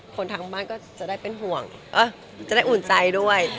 คนทางบ้านก็จะได้เป็นห่วงจะได้อุ่นใจด้วย